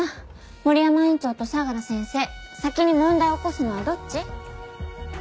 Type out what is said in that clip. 森山院長と相良先生先に問題を起こすのはどっち？